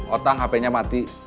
otang hapenya mati